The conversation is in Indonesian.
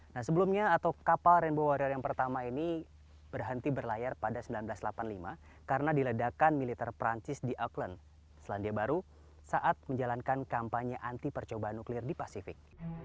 nah sebelumnya atau kapal rainbow warrior yang pertama ini berhenti berlayar pada seribu sembilan ratus delapan puluh lima karena diledakan militer perancis di auckland selandia baru saat menjalankan kampanye anti percobaan nuklir di pasifik